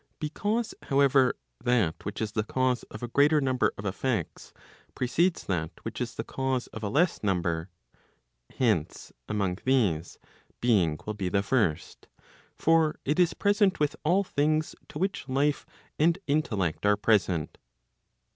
Because however, that which is the cause of a greater number of effects, precedes that which is the cause of a less number, hence, among these, being will be the first; for it is present with all things to which life and intellect are present.